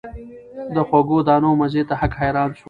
د خوږو دانو مزې ته هک حیران سو